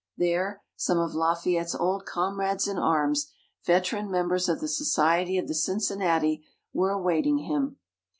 There, some of Lafayette's old comrades in arms, veteran members of the Society of the Cincinnati, were awaiting him.